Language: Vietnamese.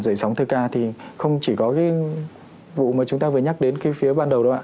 dậy sóng thơ ca thì không chỉ có cái vụ mà chúng ta vừa nhắc đến cái phía ban đầu đâu ạ